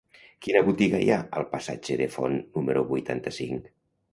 Quina botiga hi ha al passatge de Font número vuitanta-cinc?